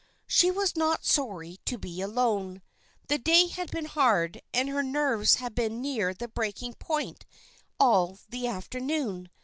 She was not sorry to be alone. The day had been hard, and her nerves had been near the breaking point all the afternoon.